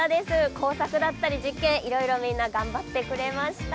工作だったり実験いろいろみんな頑張ってくれました。